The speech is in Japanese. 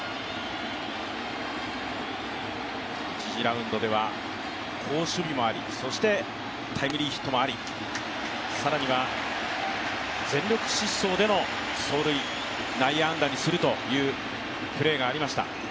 １次ラウンドでは好守備もあり、そしてタイムリーヒットもあり、更には全力疾走での走塁、内野安打にするというプレーがありました。